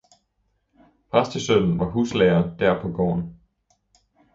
Præstesønnen var huslærer der på gården.